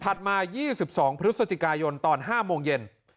มา๒๒พฤศจิกายนตอน๕โมงเย็น